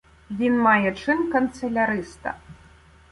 Він має чин канцеляриста